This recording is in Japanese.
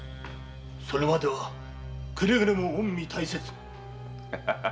それまではくれぐれも御身大切に。